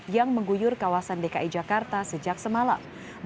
yang mengguyur kawasan dki jakarta sejak semalam